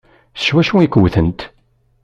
S wacu ay k-wtent?